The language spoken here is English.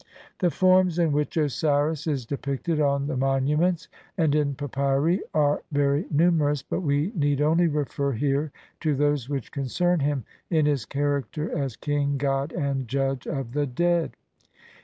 The forms in which Osiris is depicted on the monu ments and in papyri are very numerous, but we need only refer here to those which concern him in his character as king, god, and judge of the dead.